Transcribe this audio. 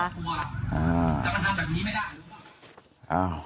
อ่า